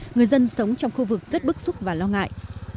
người dân sống trong khu vực rất bức xúc và lo ngại